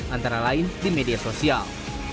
antara lain di media sosial